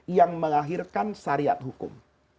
yang melahirkan syariat hukum